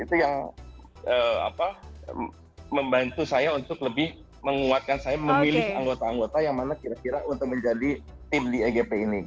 itu yang membantu saya untuk lebih menguatkan saya memilih anggota anggota yang mana kira kira untuk menjadi tim di egp ini